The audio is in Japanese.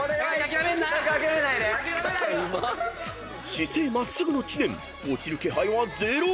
［姿勢真っすぐの知念落ちる気配はゼロ！］